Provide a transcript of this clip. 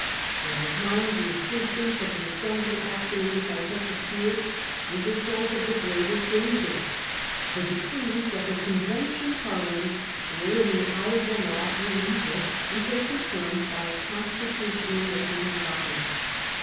1 For a time the existence of an assembly actuated by i66i. Reconstruction. 95 such a spirit was a source of the greatest danger. The decrees of the Convention Parliament were in the eye of Confirma the law illegal until confirmed by a constitu te?" of the tionally appointed body.